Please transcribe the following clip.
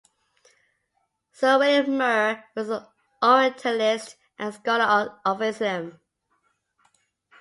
Sir William Muir was an Orientalist and scholar of Islam.